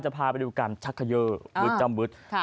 พาไปดูการชักเขย่อึดจำวึด